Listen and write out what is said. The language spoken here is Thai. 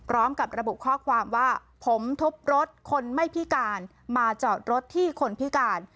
พร้อมกับระบุข้อความว่าผมทุบรถคนไม่พิการมาจอดรถที่คนพิการ